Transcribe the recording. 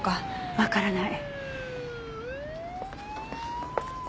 わからない。